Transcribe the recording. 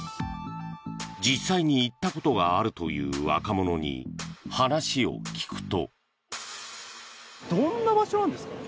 実際に行ったことがあるという若者に話を聞くと。